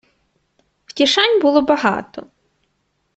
Втішань було багато.